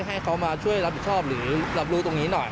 ให้เขามาช่วยรับผิดชอบหรือรับรู้ตรงนี้หน่อย